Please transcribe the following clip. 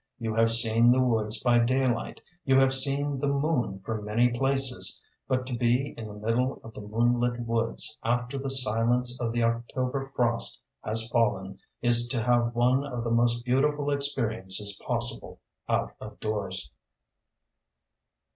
You have seen the woods by daylight; you have seen the moon from many places; but to be in the middle of the moonlit woods after the silence of the October frost has fallen is to have one of the most beautiful experiences possible out of doors.